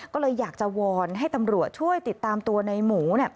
ก็เลยอยากจะวอนให้ตำรวจช่วยติดตามตัวในหมู